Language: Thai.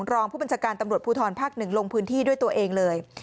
รองผู้บัญชาการตำรวจภูทรภาค๑ลงพื้นที่ด้วยตัวเองเลย